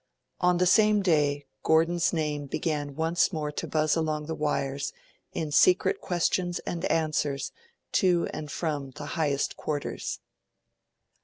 On the same day, Gordon's name began once more to buzz along the wires in secret questions and answers to and from the highest quarters.